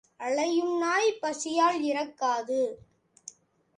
அலையும் நாய் பசியால் இறக்காது.